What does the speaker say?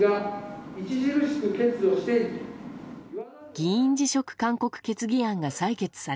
議員辞職勧告決議案が採決され。